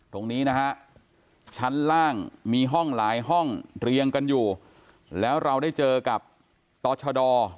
ตรงนี้นะฮะชั้นล่างมีห้องหลายห้องเรียงกันอยู่แล้วเราได้เจอกับต่อชด